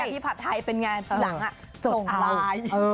พี่ผัดไทยเป็นไงทีหลังส่งไลน์